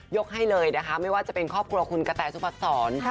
ให้เลยนะคะไม่ว่าจะเป็นครอบครัวคุณกะแตสุพัฒนศร